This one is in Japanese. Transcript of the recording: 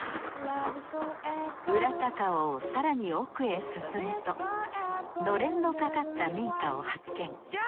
裏高尾を更に奥へ進むとのれんのかかった民家を発見。